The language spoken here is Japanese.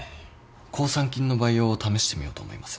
抗酸菌の培養を試してみようと思います。